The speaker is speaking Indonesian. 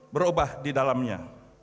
berubah di dalamnya